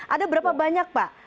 ada berapa banyak pak